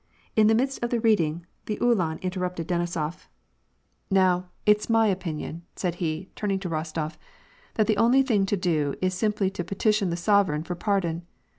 In the midst of the reading, the Uh lan interrupted Denisof, — 140 WAR AND PEACE. " Now, it's my opinion," said he, turning to Bostof, " that the only thing to do is simply to petition the sovereign for pardon.